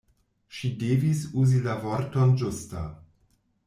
Ŝi devis uzi la vorton ĝusta.